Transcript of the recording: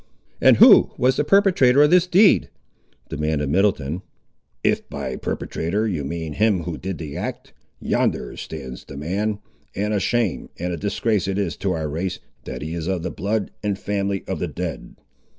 "And who was the perpetrator of this deed?" demanded Middleton. "If by perpetrator you mean him who did the act, yonder stands the man; and a shame, and a disgrace is it to our race, that he is of the blood and family of the dead."